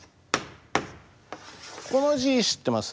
この字知ってます？